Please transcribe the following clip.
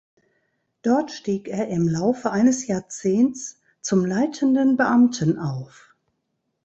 Dort stieg er im Laufe eines Jahrzehnts zum Leitenden Beamten auf.